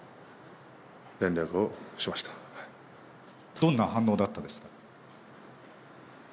どんな反応だったですか？